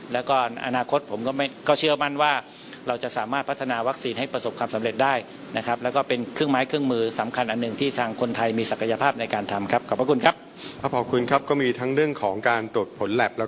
แล้วก็อนาคตผมก็เชื่อมั่นว่าเราจะสามารถพัฒนาวัคซีนให้ประสบความสำเร็จได้นะครับแล้วก็เป็นเครื่องไม้เครื่องมือสำคัญอันหนึ่งที่ทางคนไทยมีศักยภาพในการทำครับขอบพระคุณครับ